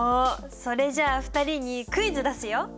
それじゃあ２人にクイズ出すよ！